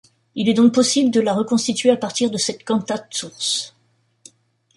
Il est donc possible de la reconstituer à partir de cette cantate source.